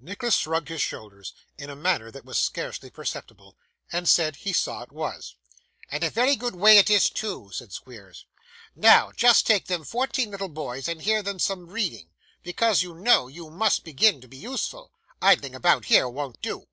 Nicholas shrugged his shoulders in a manner that was scarcely perceptible, and said he saw it was. 'And a very good way it is, too,' said Squeers. 'Now, just take them fourteen little boys and hear them some reading, because, you know, you must begin to be useful. Idling about here won't do.